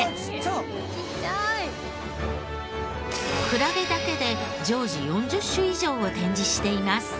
クラゲだけで常時４０種以上を展示しています。